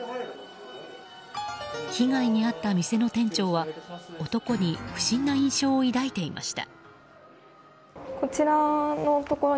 被害に遭った店の店長は男に不審な印象を抱いていました。